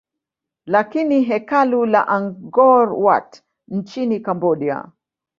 lakini hekalu la Angkor Wat nchini Cambodia